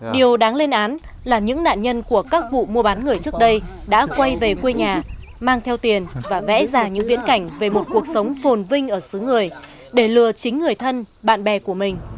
điều đáng lên án là những nạn nhân của các vụ mua bán người trước đây đã quay về quê nhà mang theo tiền và vẽ ra những viễn cảnh về một cuộc sống phồn vinh ở xứ người để lừa chính người thân bạn bè của mình